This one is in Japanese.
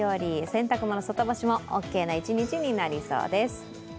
洗濯物外干しもオーケーな一日となりそうです。